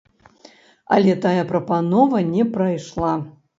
Але тая прапанова не прайшла.